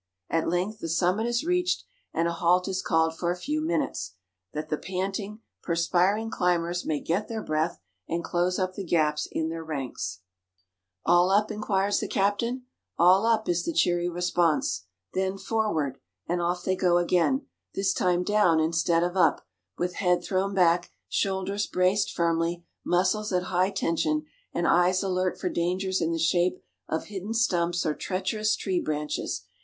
At length the summit is reached, and a halt is called for a few minutes, that the panting, perspiring climbers may get their breath, and close up the gaps in their ranks. [Illustration: THE CLOSE.] "All up?" inquires the captain. "All up," is the cheery response. "Then forward!" and off they go again, this time down instead of up, with head thrown back, shoulders braced firmly, muscles at high tension, and eyes alert for dangers in the shape of hidden stumps or treacherous tree branches.